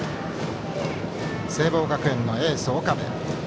聖望学園のエース、岡部。